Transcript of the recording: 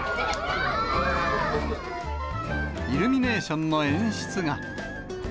イルミネーションの演出が。